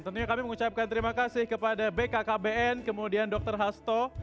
tentunya kami mengucapkan terima kasih kepada bkkbn kemudian dr hasto